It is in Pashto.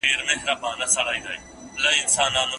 د ټپې په اله زار کې يې ويده کړم